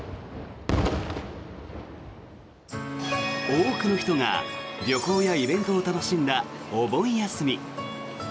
多くの人が旅行やイベントを楽しんだお盆休み。